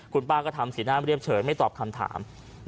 คุณป้าก็ทำสีหน้าเรียบเฉยไม่ตอบคำถาม